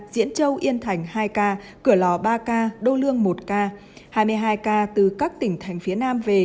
diễn châu yên thành hai ca cửa lò ba ca đô lương một ca hai mươi hai ca từ các tỉnh thành phía nam về